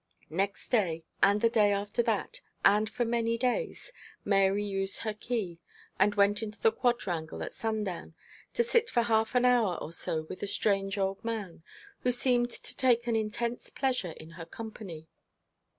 Next day, and the day after that, and for many days, Mary used her key, and went into the quadrangle at sundown to sit for half an hour or so with the strange old man, who seemed to take an intense pleasure in her company.